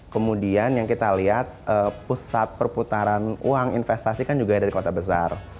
kemudian yang kita lihat pusat perputaran uang investasi kan juga ada di kota besar